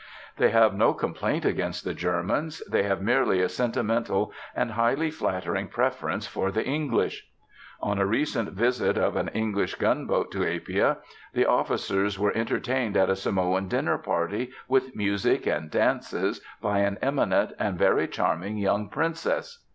They have no complaint against the Germans. They have merely a sentimental and highly flattering preference for the English. On a recent visit of an English gunboat to Apia, the officers were entertained at a Samoan dinner party, with music and dances, by an eminent and very charming young princess.